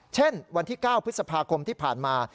เช่นวันที่๙พฤษภาคมที่ผ่านมา